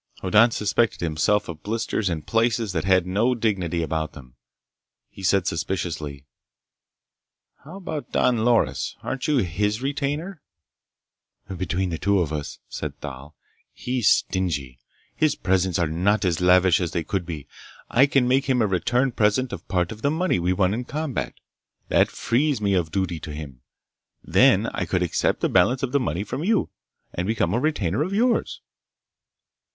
Hoddan suspected himself of blisters in places that had no dignity about them. He said suspiciously: "How about Don Loris? Aren't you his retainer?" "Between the two of us," said Thal, "he's stingy. His presents are not as lavish as they could be. I can make him a return present of part of the money we won in combat. That frees me of duty to him. Then I could accept the balance of the money from you, and become a retainer of yours."